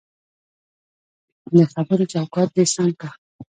دخبرو چوکاټ دی سم که